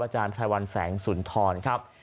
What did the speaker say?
อาจารย์ไพรวัลแสงสุนทร